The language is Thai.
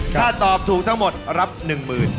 ถ้าตอบถูกทั้งหมดรับหนึ่งหมื่น